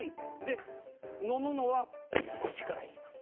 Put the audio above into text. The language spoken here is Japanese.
で飲むのは口から行きます。